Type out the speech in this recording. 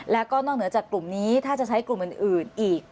แล้วก็นอกเหนือจากกลุ่มนี้ถ้าจะใช้กลุ่มอื่นอีก